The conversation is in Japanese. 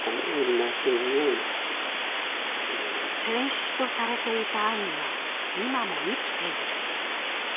「戦死とされていた兄が今も生きている」。